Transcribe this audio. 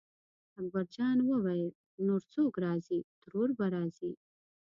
اکبرجان وویل نور څوک راځي ترور به راځي.